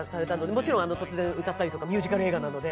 もちろん突然歌ったりとかミュージカル映画なので。